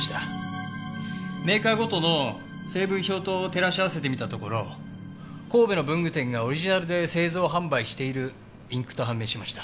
メーカーごとの成分表と照らし合わせてみたところ神戸の文具店がオリジナルで製造販売しているインクと判明しました。